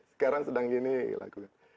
sekarang sedang gini lagunya